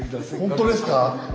本当ですか。